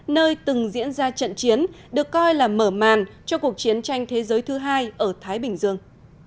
nơi từng diễn ra trận chiến được coi là mở màn cho cuộc chiến tranh thế giới thứ hai ở thái bình dương